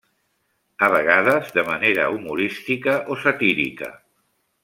A vegades de manera humorística o satírica.